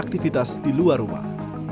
aktivitas di luar rumah